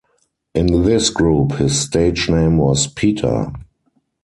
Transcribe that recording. In this group his stage name was Pita.